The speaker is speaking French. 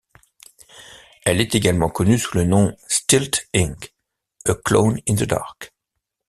Elle est également connu sous le nom Stealth Inc: A Clone in the Dark.